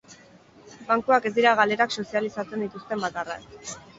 Bankuak ez dira galerak sozializatzen dituzten bakarrak.